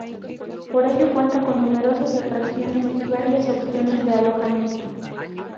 Por ello cuenta con numerosas atracciones y varias opciones de alojamiento.